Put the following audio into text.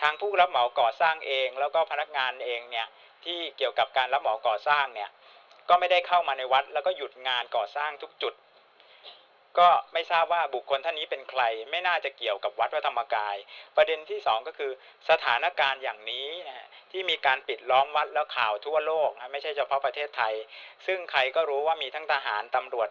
ผู้รับเหมาก่อสร้างเองแล้วก็พนักงานเองเนี่ยที่เกี่ยวกับการรับเหมาก่อสร้างเนี่ยก็ไม่ได้เข้ามาในวัดแล้วก็หยุดงานก่อสร้างทุกจุดก็ไม่ทราบว่าบุคคลท่านนี้เป็นใครไม่น่าจะเกี่ยวกับวัดพระธรรมกายประเด็นที่สองก็คือสถานการณ์อย่างนี้นะฮะที่มีการปิดล้อมวัดแล้วข่าวทั่วโลกนะไม่ใช่เฉพาะประเทศไทยซึ่งใครก็รู้ว่ามีทั้งทหารตำรวจ